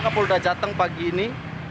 kapolres jateng pagi ini se sebut akan menangkapnya